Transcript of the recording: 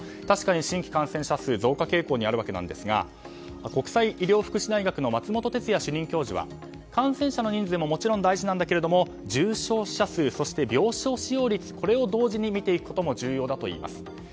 確かに、新規感染者数は増加傾向にあるわけですが国際医療福祉大学の松本哲哉主任教授は感染者の人数ももちろん大事だけれども、重症者数そして、病床使用率を同時に見ていくことも重要だといいます。